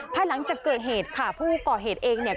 ภายหลังจากเกิดเหตุค่ะผู้ก่อเหตุเองเนี่ย